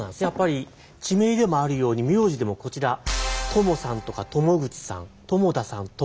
やっぱり地名でもあるように名字でもこちら塘さんとか塘口さん塘田さん